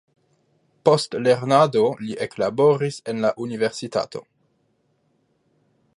Post lernado li eklaboris en la universitato.